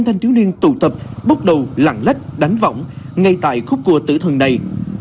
các thanh thiếu niên tụ tập bắt đầu lạng lách đánh vọng ngay tại khúc của tử thần này